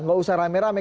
nggak usah rame rame